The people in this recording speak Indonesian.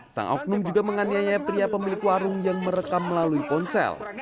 sang oknum juga menganiaya pria pemilik warung yang merekam melalui ponsel